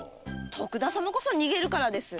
徳田様こそ逃げるからです。